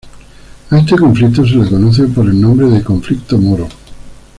A este conflicto se le conoce por el nombre de conflicto Moro.